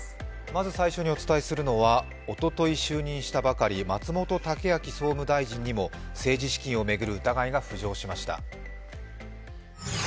まず最初にお伝えするのはおととい就任したばかり松本剛明総務大臣にも政治資金を巡る疑いが浮上しました。